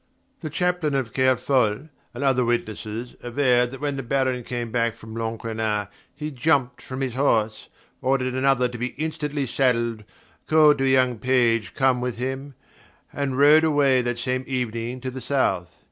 The chaplain of Kerfol, and other witnesses, averred that when the Baron came back from Locronan he jumped from his horse, ordered another to be instantly saddled, called to a young page come with him, and rode away that same evening to the south.